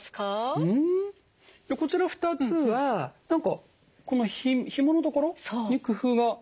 こちら２つは何かこのひもの所に工夫が。